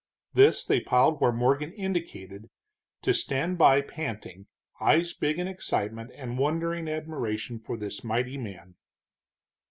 This they piled where Morgan indicated, to stand by panting, eyes big in excitement and wondering admiration for this mighty man.